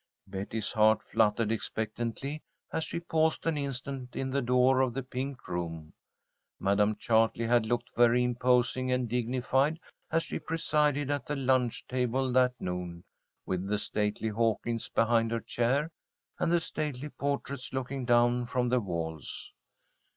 Betty's heart fluttered expectantly as she paused an instant in the door of the pink room. Madam Chartley had looked very imposing and dignified as she presided at the lunch table that noon, with the stately Hawkins behind her chair and the stately portraits looking down from the walls.